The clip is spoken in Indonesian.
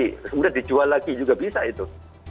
kemudian dijual lagi juga bisa itu